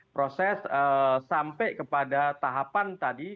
proses sampai kepada tahapan tadi